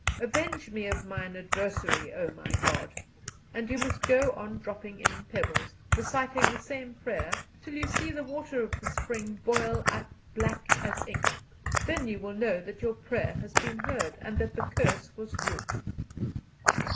Avenge me of mine adversary, O my God.' And you must go on dropping in pebbles, reciting the same prayer, till you see the water of the spring boil up black as ink. Then you will know that your prayer has been heard, and that the curse has wrought."